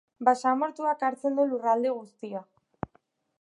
Basamortuak hartzen du lurralde guztia.